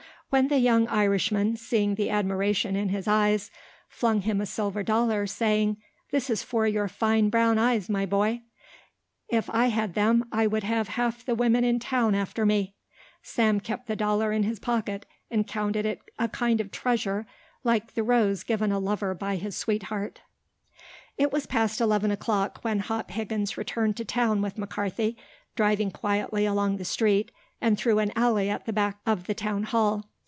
When the young Irishman, seeing the admiration in his eyes, flung him a silver dollar saying, "That is for your fine brown eyes, my boy; it I had them I would have half the women in town after me," Sam kept the dollar in his pocket and counted it a kind of treasure like the rose given a lover by his sweetheart. It was past eleven o'clock when Hop Higgins returned to town with McCarthy, driving quietly along the street and through an alley at the back of the town hall.